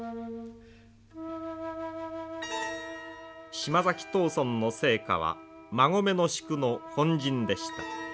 島崎藤村の生家は馬籠宿の本陣でした。